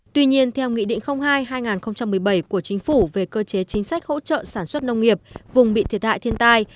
tuy nhiên theo nghị định hai hai nghìn một mươi bảy của chính phủ về cơ chế chính sách hỗ trợ sản xuất nông nghiệp vùng bị thiệt hại thiên tai